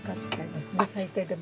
最低でも。